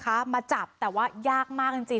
กลับด้านหลักหลักหลักหลักหลัก